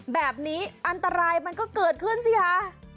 แบบนี้อันตรายมันก็เกิดขึ้นสิคะ